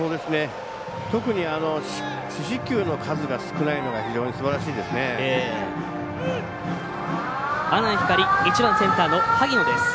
特に四死球の数が少ないのが非常にすばらしいですね。